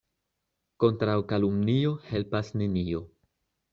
Kontraŭ kalumnio helpas nenio.